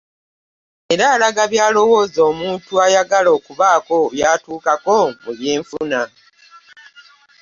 Era alaga by'alowooza omuntu ayagala okubaako by'atuukako mu byenfuna